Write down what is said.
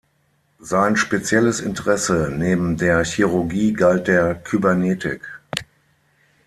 Sein spezielles Interesse neben der Chirurgie galt der Kybernetik.